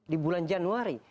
di bulan januari